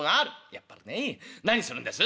「やっぱりね。何するんです？」。